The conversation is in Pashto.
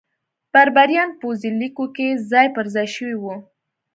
بربریان پوځي لیکو کې ځای پرځای شوي وو.